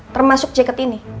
termasuk jaket ini